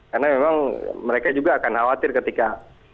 karena memang mereka juga akan khawatir ketika